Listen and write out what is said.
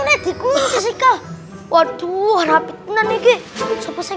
aduh aduh aduh